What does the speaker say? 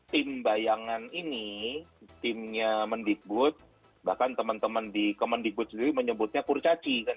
tim bayangan ini timnya kemendikbut bahkan teman teman di kemendikbut sendiri menyebutnya purcaci